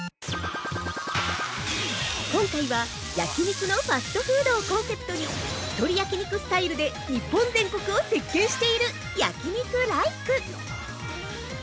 今回は、「焼肉のファストフード」をコンセプトに一人焼肉スタイルで日本全国を席巻している焼肉ライク。